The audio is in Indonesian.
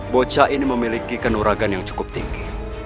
bocha ini memiliki kinerjakan yang cukup tinggi